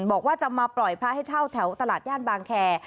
บอกว่าจะมาปล่อยพระให้เช่าแถวตลาดย่านบางแคร์